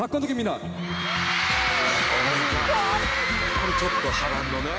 これちょっと波乱のね。